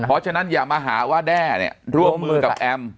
เพราะฉะนั้นอย่ามาหาว่าแด้เนี่ยร่วมมือกับแอม